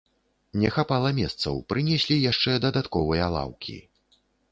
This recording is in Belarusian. Не хапала месцаў, прынеслі яшчэ дадатковыя лаўкі.